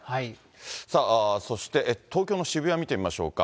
さあ、そして東京の渋谷見てみましょうか。